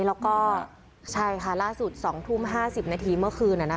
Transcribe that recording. แล้วก็ใช่ค่ะล่าสุด๒ทุ่ม๕๐นาทีเมื่อคืน